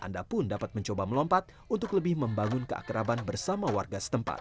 anda pun dapat mencoba melompat untuk lebih membangun keakraban bersama warga setempat